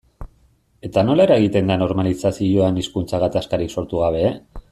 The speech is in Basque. Eta nola eragiten da normalizazioan hizkuntza gatazkarik sortu gabe?